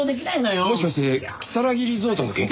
もしかして如月リゾートの件か？